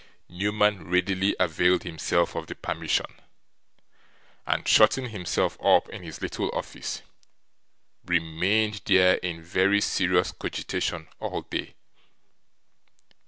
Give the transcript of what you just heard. Newman readily availed himself of the permission, and, shutting himself up in his little office, remained there, in very serious cogitation, all day.